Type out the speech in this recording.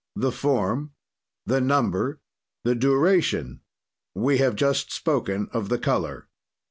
"The form. "The number. "The duration. "We have just spoken of the color.